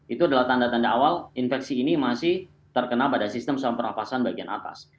itu adalah tanda tanda awal infeksi ini masih terkena pada sistem saluran pernafasan bagian atas